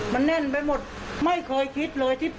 มันแน่นไปหมดไม่เคยคิดเลย